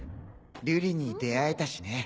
瑠璃に出会えたしね。